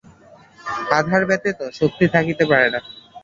আধার ব্যতীত শক্তি থাকিতে পারে না।